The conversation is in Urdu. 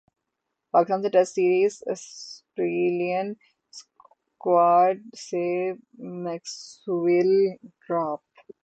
پاکستان سے ٹیسٹ سیریز سٹریلین اسکواڈ سے میکسویل ڈراپ